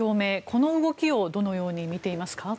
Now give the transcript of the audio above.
この動きをどのように見ていますか。